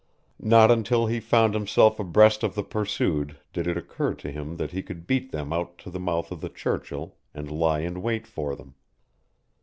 Not until he found himself abreast of the pursued did it occur to him that he could beat them out to the mouth of the Churchill and lie in wait for them.